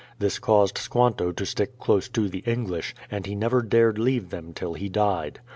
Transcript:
This caused Squanto to stick close to the English, and he nevejf; dared leave them till he died.